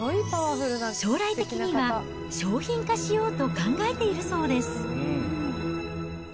将来的には商品化しようと考えているそうです。